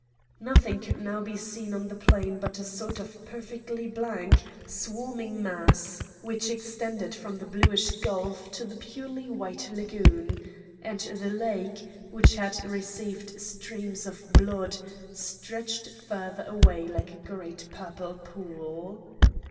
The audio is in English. Nothing could now be seen on the plain but a sort of perfectly black, swarming mass, which extended from the bluish gulf to the purely white lagoon; and the lake, which had received streams of blood, stretched further away like a great purple pool.